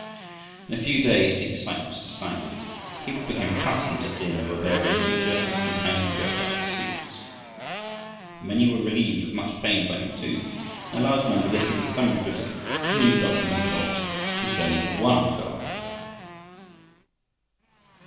In a few days the excitement subsided. People became accustomed to seeing the barbarian teacher and his companion go about the streets. Many were relieved of much pain by him too, and a large number listened with some interest to the new doctrine he taught concerning one God.